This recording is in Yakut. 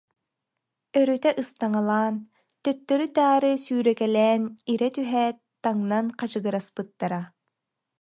Өрүтэ ыстаҥалаан, төттөрү-таары сүүрэ- кэлээн ирэ түһээт таҥнан хачыгыраспыттара